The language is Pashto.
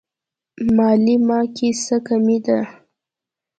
مالې ما کې څه کمی دی.